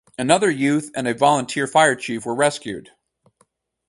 Another youth and a volunteer fire chief were rescued.